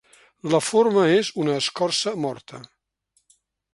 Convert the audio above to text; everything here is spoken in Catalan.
La forma és una escorça morta.